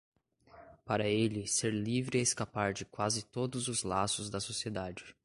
Para ele, ser livre é escapar de quase todos os laços da sociedade.